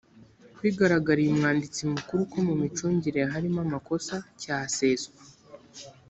bigaragariye umwanditsi mukuru ko mu micungire harimo amakosa cyaseswa